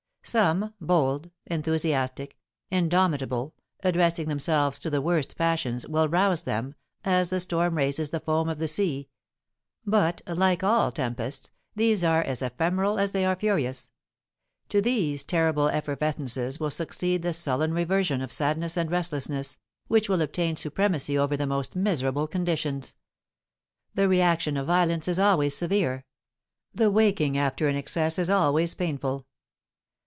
Some, bold, enthusiastic, indomitable, addressing themselves to the worst passions, will rouse them, as the storm raises the foam of the sea; but, like all tempests, these are as ephemeral as they are furious; to these terrible effervescences will succeed the sullen reversion of sadness and restlessness, which will obtain supremacy over the most miserable conditions. The reaction of violence is always severe; the waking after an excess is always painful.